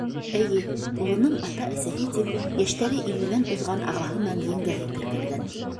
Эйе, улының ата-әсәһе тип йәштәре илленән уҙған ағаһы менән еңгәһе теркәлгән!